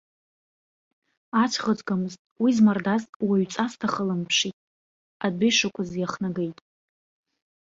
Ацә ӷыҵгамызт, уи змардаз уаҩҵас дахыламԥшит, адәы ишықәыз иахнагеит.